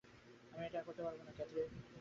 আমি এটা আর করতে পারব না, ক্যাথরিন।